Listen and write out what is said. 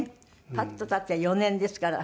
パッと経って４年ですから。